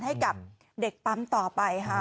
ให้กับเด็กปั๊มต่อไปค่ะ